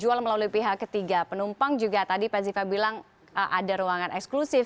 jual melalui pihak ketiga penumpang juga tadi pak ziva bilang ada ruangan eksklusif